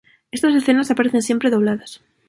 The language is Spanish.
Estas escenas aparecen siempre dobladas.